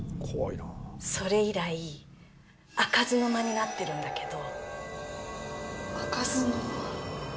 それ以来開かずの間になってるんだけど開かずの間？